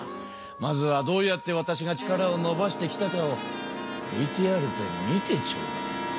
まずはどうやってわたしが力をのばしてきたかをＶＴＲで見てちょうだい。